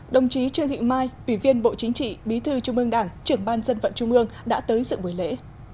đồng chí trương thị mai ủy viên bộ chính trị bí thư trung ương đảng trưởng ban dân vận trung ương đã tới sự buổi lễ